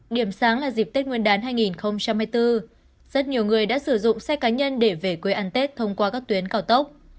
điểm sáng là dịp tết nguyên đán hai nghìn hai mươi bốn rất nhiều người đã sử dụng xe cá nhân để về quê ăn tết thông qua các tuyến cao tốc